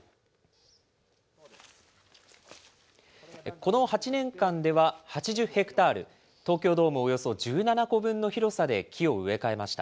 この８年間では、８０ヘクタール、東京ドームおよそ１７個分の広さで木を植え替えました。